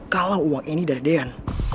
kalau uang ini dari dean